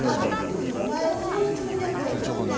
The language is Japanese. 「別にお前をそういうつもりでやったわけじゃなくて」。